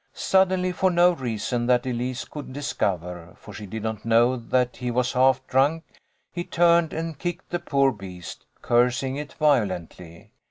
Suddenly, for no reason that Elise could discover, for she did not know that he was half drunk, he turned and kicked the poor beast, cursing it violently.